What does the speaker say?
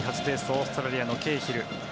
オーストラリアのケーヒル。